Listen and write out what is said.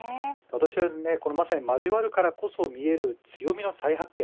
このまさに交わるからこそ見える強みの再発見